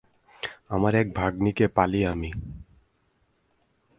আমার এক ভাগ্নিকে পালি আমি।